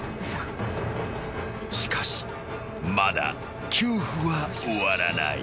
［しかしまだ恐怖は終わらない］